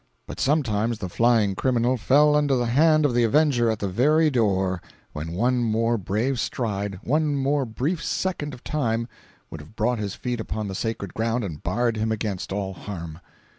But sometimes the flying criminal fell under the hand of the avenger at the very door, when one more brave stride, one more brief second of time would have brought his feet upon the sacred ground and barred him against all harm.